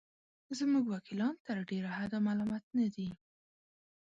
زموږ وکیلان تر ډېره حده ملامت نه دي.